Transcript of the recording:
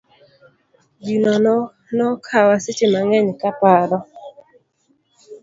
Gino nokawa seche mang'eny ka paro.